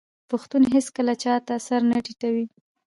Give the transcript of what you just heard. پښتون هیڅکله چا ته سر نه ټیټوي.